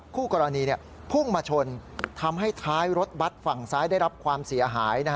คู่กรณีพุ่งมาชนทำให้ท้ายรถบัตรฝั่งซ้ายได้รับความเสียหาย